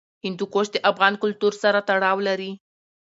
هندوکش د افغان کلتور سره تړاو لري.